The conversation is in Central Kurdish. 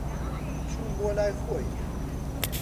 چووم بۆ لای خۆی.